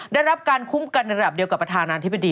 ได้รับการคุ้มกันระดับเดียวกับประธานาธิบดี